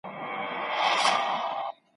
د قلمي نسخو موندل ستونزمن کار دی.